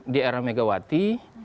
di era megawati